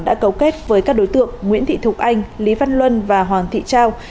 đã cấu kết với các đối tượng nguyễn thị thục anh lý văn luân và hoàng thị trao